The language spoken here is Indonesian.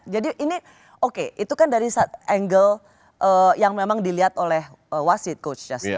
jadi ini oke itu kan dari angle yang memang dilihat oleh wasit coachnya sih